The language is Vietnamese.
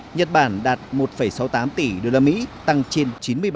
nhật bản đạt một sáu mươi tám tỷ đô la mỹ tăng trên chín mươi ba